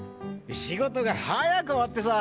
仕事が早く終わってさ！